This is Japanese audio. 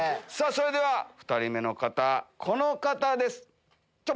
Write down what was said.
それでは２人目の方この方です。